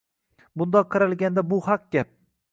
Bundoq qaralganda, bu haq gap.